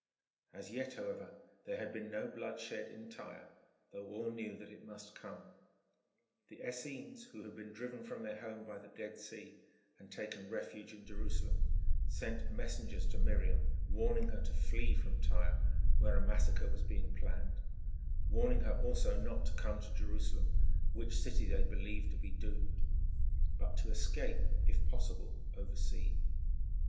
As yet, however, there had been no blood shed in Tyre, though all knew that it must come. The Essenes, who had been driven from their home by the Dead Sea and taken refuge in Jerusalem, sent messengers to Miriam warning her to flee from Tyre, where a massacre was being planned; warning her also not to come to Jerusalem, which city they believed to be doomed, but to escape, if possible over sea.